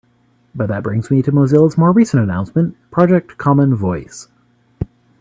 But that brings me to Mozilla's more recent announcement: Project Common Voice.